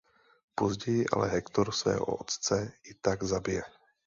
Později ale Hector svého otce i tak zabije.